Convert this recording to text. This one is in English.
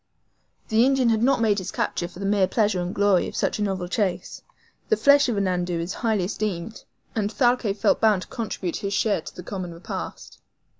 The Indian had not made his capture for the mere pleasure and glory of such a novel chase. The flesh of the NANDOU is highly esteemed, and Thalcave felt bound to contribute his share of the common repast.